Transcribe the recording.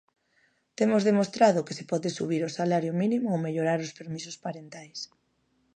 Temos demostrado que se pode subir o salario mínimo ou mellorar os permisos parentais.